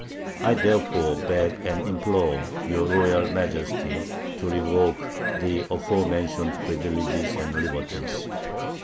I therefore beg and implore your Royal Majesty to revoke the aforementioned privileges and liberties.